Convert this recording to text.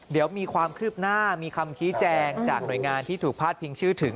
เดี๋ยวมีความคืบหน้ามีคำชี้แจงจากหน่วยงานที่ถูกพาดพิงชื่อถึง